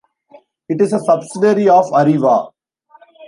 It is a subsidiary of Arriva.